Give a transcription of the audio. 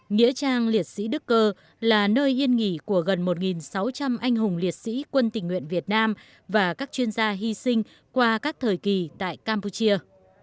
nghĩa trang liệt sĩ đức cơ là nơi yên nghỉ của gần một sáu trăm linh anh hùng liệt sĩ quân tình nguyện việt nam và các chuyên gia hy sinh qua các thời kỳ tại campuchia